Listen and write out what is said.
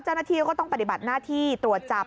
เจ้าหน้าที่ก็ต้องปฏิบัติหน้าที่ตรวจจับ